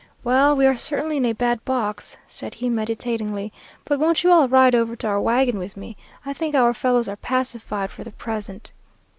"'Well, we are certainly in a bad box,' said he meditatingly. 'But won't you all ride over to our wagon with me? I think our fellows are pacified for the present.'